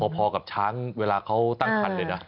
พอกับช้างเวลาเขาตั้งคันเลยนะ